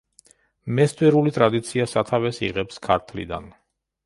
მესტვირული ტრადიცია სათავეს იღებს ქართლიდან.